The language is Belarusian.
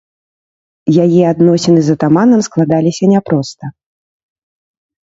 Яе адносіны з атаманам складаліся няпроста.